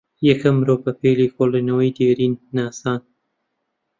یەکەم مرۆڤ بە پێێ لێکۆڵێنەوەی دێرین ناسان